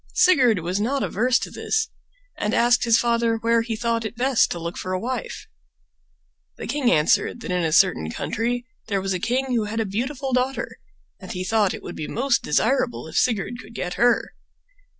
Sigurd was not averse to this and asked his father where he thought it best to look for a wife. The king answered that in a certain country there was a king who had a beautiful daughter, and he thought it would be most desirable if Sigurd could get her.